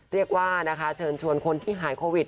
เรียกว่านะคะเชิญชวนคนที่หายโควิด